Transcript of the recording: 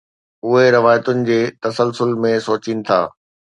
اهي روايتن جي تسلسل ۾ سوچين ٿا.